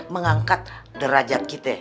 mengangkat derajat kita